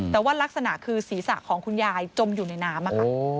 แต่ว่ารักษณะคือศีรษะของคุณยายจมอยู่ในน้ำค่ะ